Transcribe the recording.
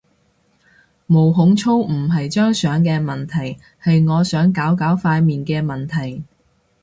毛孔粗唔係張相嘅問題，係我想搞搞塊面嘅問題